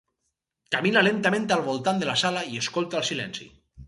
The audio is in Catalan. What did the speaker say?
Camina lentament al voltant de la sala i escolta el silenci.